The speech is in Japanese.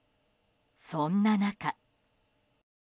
そんな中。